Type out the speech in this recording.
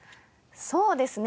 そうですね。